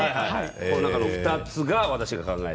この中の２つが私が考えた。